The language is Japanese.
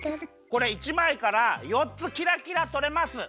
これ１まいから４つキラキラとれます。